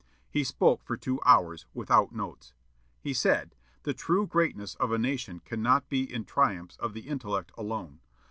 He spoke for two hours, without notes. He said: "The true greatness of a nation cannot be in triumphs of the intellect alone.